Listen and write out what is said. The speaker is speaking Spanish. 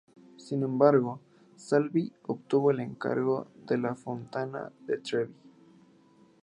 Sin embargo, Salvi obtuvo el encargo de la Fontana de Trevi.